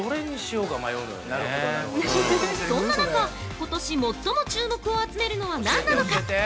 そんな中、ことし最も注目を集めるのは何なのか。